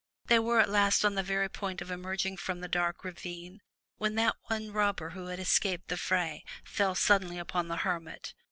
They were at last on the very point of emerging from the dark ravine, when that one robber who had escaped the fray, fell suddenly upon the hermit.